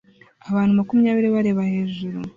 Abantu Makumyabiri bareba hejuru